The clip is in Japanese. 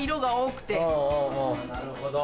なるほど。